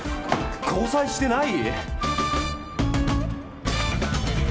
交際してない？